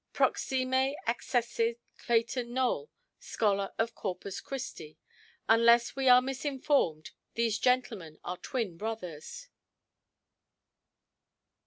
Proxime accessit Clayton Nowell, scholar of Corpus Christi. Unless we are misinformed, these gentlemen are twin–brothers".